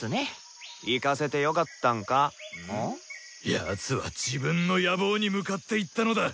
やつは自分の野望に向かっていったのだ。